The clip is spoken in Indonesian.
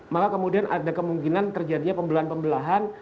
maka kemudian ada kemungkinan terjadinya pembelahan pembelahan